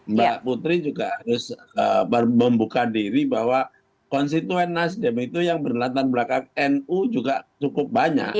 mbak putri juga harus membuka diri bahwa konstituen nasdem itu yang berlatar belakang nu juga cukup banyak